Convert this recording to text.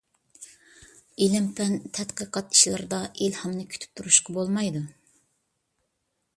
ئىلىم پەن تەتقىقات ئىشلىرىدا ئىلھامنى كۈتۈپ تۇرۇشقا بولمايدۇ.